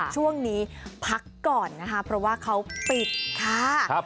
ช่วงนี้พักก่อนนะคะเพราะว่าเขาปิดค่ะ